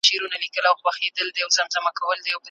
د حقیقت موندل د هر چا کار نه دی.